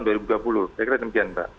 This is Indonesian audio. saya kira demikian pak